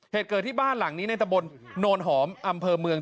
เหตุเกิดที่บ้านหลังนี้ในตะบนโนนหอมอำเภอเมือง